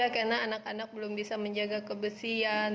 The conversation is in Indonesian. karena anak anak belum bisa menjaga kebersihan